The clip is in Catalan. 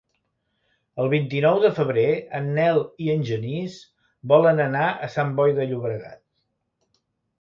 El vint-i-nou de febrer en Nel i en Genís volen anar a Sant Boi de Llobregat.